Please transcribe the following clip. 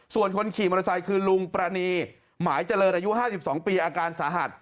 ส่วนคนขี่มอเตอร์ไซค์คือลุงประนีหมายเจริญอายุ๕๒ปีอาการสาหัส